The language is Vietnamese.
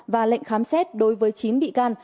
và lệnh khám xét đối với chín bị can